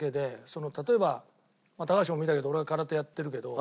例えば高橋も見たけど俺は空手やってるけど。